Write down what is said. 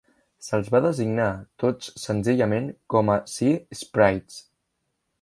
Se'ls va designar tots senzillament com a Sea Sprites.